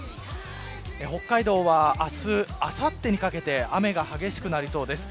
北海道は、明日、あさってにかけて雨が激しくなりそうです。